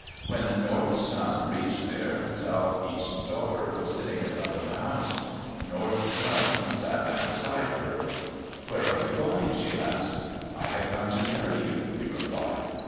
When North's son reached there, Southeast's daughter was sitting in front of the house. North's son sat down beside her. "Where are you going?" she asked. "I have come to marry you," he replied.